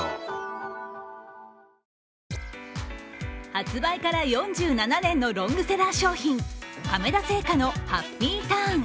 発売から４７年のロングセラー商品、亀田製菓のハッピーターン。